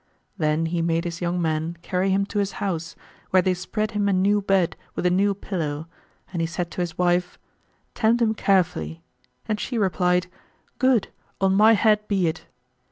"[FN#131] Then he made his young men carry him to his house, where they spread him a new bed with a new pillow,[FN#132] and he said to his wife, "Tend him carefully;" and she replied, "Good! on my head be it!"